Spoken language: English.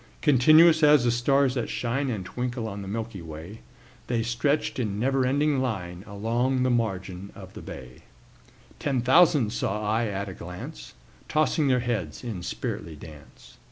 Continuous as the stars that shine And twinkle on the milky way, The stretched in never ending line Along the margin of a bay: Ten thousand saw I at a glance, Tossing their heads in sprightly dance.